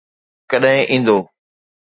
ڪڏهن ايندو؟